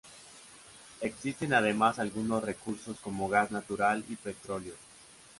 Existen además algunos recursos como gas natural y petróleo.